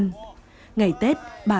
ngày tết bà cũng là một trong những người bạn